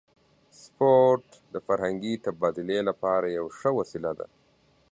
سپورت د فرهنګي تبادلې لپاره یوه ښه وسیله ده.